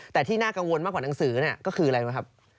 แต่ที่น่ากังวลมากกว่าหนังสือก็คืออะไรรู้ไหมครับ